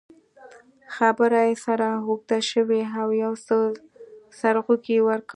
خبرې یې سره اوږدې شوې او یو څه سرخوږی یې ورکړ.